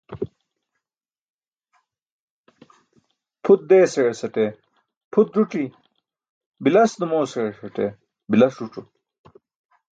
Pʰut deesaẏasate pʰut ẓuc̣i, bilas Dumoosaẏasate bilas ẓuc̣o.